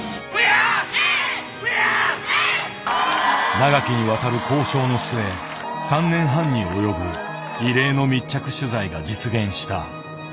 長きにわたる交渉の末３年半に及ぶ「異例の密着取材」が実現した。